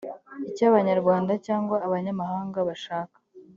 icy abanyarwanda cyangwa abanyamahanga bashaka